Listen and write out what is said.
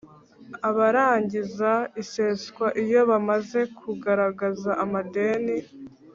Abarangiza iseswa iyo bamaze kugaragaza amadeni